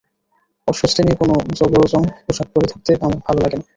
অস্বস্তি নিয়ে কোনো জবরজং পোশাক পরে থাকতে আমার ভালো লাগে না।